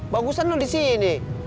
bagusan lu disini